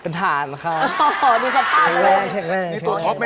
เป็นฐานนะคะ